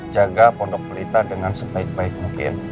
jaga pondok pelita dengan sebaik baik mungkin